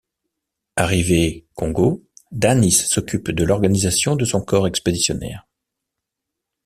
Arrivé Congo, Dhanis s’occupe de l'organisation de son corps expéditionnaire.